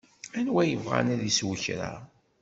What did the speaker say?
Anwa yebɣan ad isew kra?